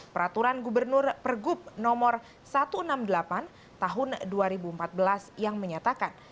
peraturan gubernur pergub nomor satu ratus enam puluh delapan tahun dua ribu empat belas yang menyatakan